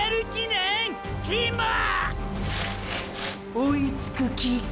追いつく気か